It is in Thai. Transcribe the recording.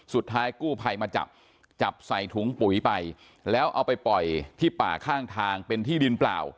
สุดท้ายกู้ภัยมาจับจับใส่ถุงปุ๋ยไปแล้วเอาไปปล่อยที่ป่าข้างทางเป็นที่ดินเปล่า